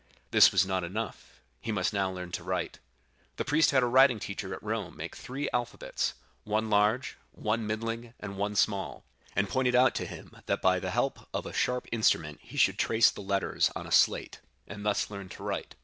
This was not enough—he must now learn to write. The priest had a writing teacher at Rome make three alphabets—one large, one middling, and one small; and pointed out to him that by the help of a sharp instrument he could trace the letters on a slate, and thus learn to write.